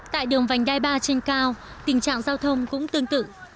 tại đường vành đai ba trên cao tình trạng giao thông cũng tương tự